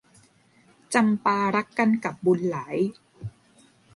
จำปารักกันกับบุญหลาย